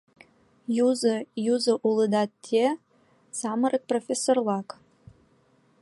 — Юзо, юзо улыда те, самырык профессорлак!